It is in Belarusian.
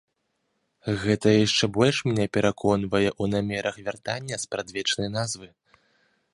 Гэта яшчэ больш мяне пераконвае ў намерах вяртання спрадвечнай назвы.